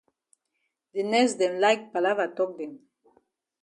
De nurse dem like palava tok dem.